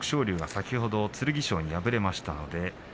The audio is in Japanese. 先ほど剣翔に敗れました。